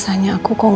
saya sudah menang